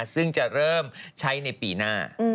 ซึ่งจะเริ่มใช้ในปีหน้า